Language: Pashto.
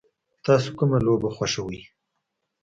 تاسو کومه لوبه خوښوئ؟